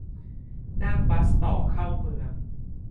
นั่งบัสต่อเข้าเมือง